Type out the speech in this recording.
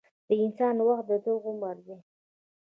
د انسان وخت دده عمر دی.